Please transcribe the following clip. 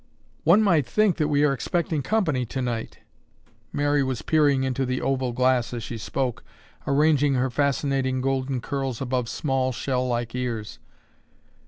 "One might think that we are expecting company tonight." Mary was peering into the oval glass as she spoke, arranging her fascinating golden curls above small shell like ears.